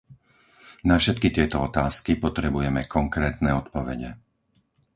Na všetky tieto otázky potrebujeme konkrétne odpovede.